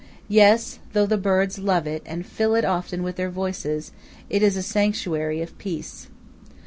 Yes, though the birds love it and fill it often with their voices, it is a sanctuary of peace.